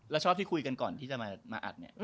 แล้วชอบที่คุยกันก่อนที่จะมาอัดเนี่ย